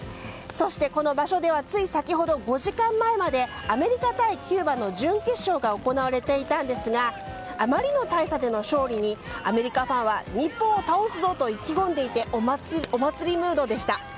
そして、この場所ではつい先ほど５時間前までアメリカ対キューバの準決勝が行われていたんですがあまりの大差での勝利にアメリカファンは日本を倒すぞ！と意気込んでいてお祭りムードでした。